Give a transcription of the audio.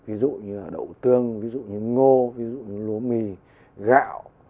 ví dụ như là đậu tương ví dụ như ngô ví dụ như lúa mì gạo